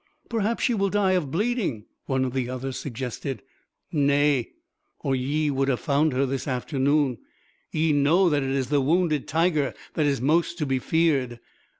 "Perhaps she will die of bleeding," one of the others suggested. "Nay, or ye would have found her this afternoon. Ye know that it is the wounded tiger that is most to be feared.